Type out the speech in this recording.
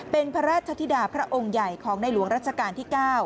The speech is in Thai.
เป็นพระราชธิดาพระองค์ใหญ่ของในหลวงรัชกาลที่๙